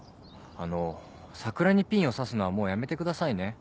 あの桜にピンをさすのはもうやめてくださいね。